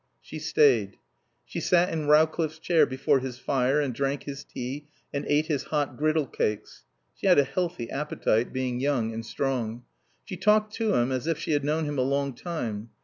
She stayed. She sat in Rowcliffe's chair before his fire and drank his tea and ate his hot griddle cakes (she had a healthy appetite, being young and strong). She talked to him as if she had known him a long time.